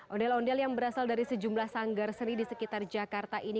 ondel ondel yang berasal dari sejumlah sanggar seni di sekitar jakarta ini